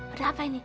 ada apa ini